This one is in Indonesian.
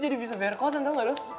gue jadi bisa fair causean tau gak lo